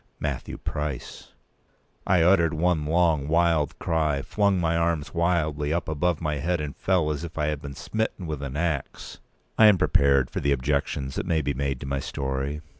Matthew Price! I uttered one long wild cry, flung my arms wildly up above my head, and fell as if I had been smitten with an axe. I am prepared for the objections that may be made to my story.